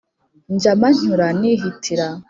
njya mpanyura nihitira